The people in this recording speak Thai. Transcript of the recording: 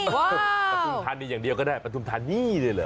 ปฐุมธานีอย่างเดียวก็ได้ปฐุมธานีเลยเหรอ